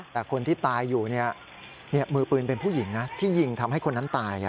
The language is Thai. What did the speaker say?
แต่คนที่ตายอยู่มือปืนเป็นผู้หญิงนะที่ยิงทำให้คนนั้นตาย